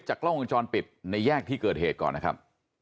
กล้องวงจรปิดในแยกที่เกิดเหตุก่อนนะครับ